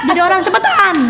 jadi orang cepetan